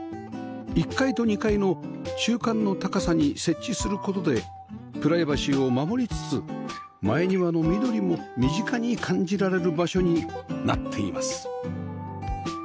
１階と２階の中間の高さに設置する事でプライバシーを守りつつ前庭の緑も身近に感じられる場所になっています